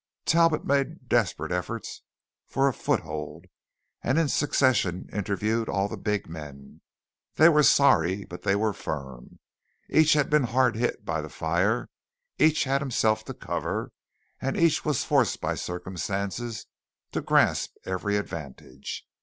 Talbot made desperate efforts for a foothold, and in succession interviewed all the big men. They were sorry but they were firm. Each had been hard hit by the fire; each had himself to cover; each was forced by circumstances to grasp every advantage.